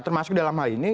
termasuk dalam hal ini